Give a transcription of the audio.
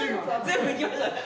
全部いきましたね。